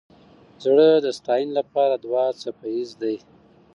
زړه د ستاینې لپاره دوه څپه ایز دی.